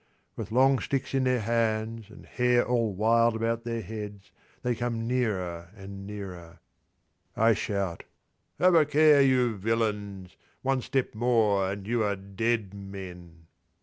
With long sticks in their hands and hair all wild about their heads, they come nearer and nearer. I shout, "Have a care! you villains! One step more and you are dead men."